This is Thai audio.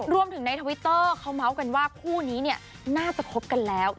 รวมถึงในทวิตเตอร์เขาเมาส์กันว่าคู่นี้เนี่ยน่าจะคบกันแล้ว